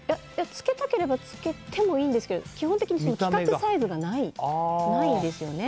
つけたければつけてもいいんですけど基本的に規格サイズがないんですよね。